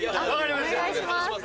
お願いします。